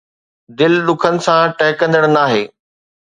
دل ڏکن سان ٺهڪندڙ ناهي